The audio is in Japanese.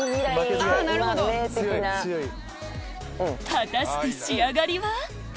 果たして仕上がりは？